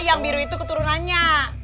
yang biru itu keturunannya